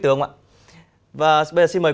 từ ông ạ và bây giờ xin mời